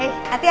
gue jadi ayam